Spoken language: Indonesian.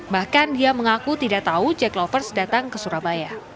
bahkan dia mengaku tidak tahu jack lovers datang ke surabaya